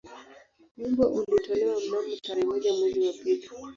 Wimbo ulitolewa mnamo tarehe moja mwezi wa pili